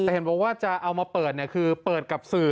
แต่เห็นบอกว่าจะเอามาเปิดเนี่ยคือเปิดกับสื่อ